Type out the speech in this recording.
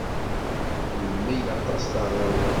Iḥemmel aṭas taɣuri.